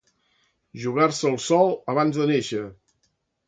Jugar-se el sol abans de néixer.